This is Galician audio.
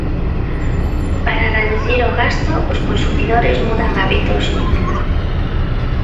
Para reducir o gasto, os consumidores mudan hábitos.